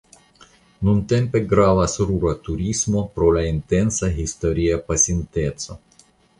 Nuntempe gravas rura turismo pro la interesa historia pasinteco.